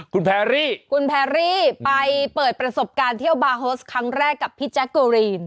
คุณแพรรี่ไปเปิดประสบการณ์เที่ยวบาร์ฮอสครั้งแรกกับพี่แจ๊กการีน